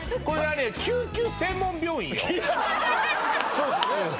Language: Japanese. そうですよね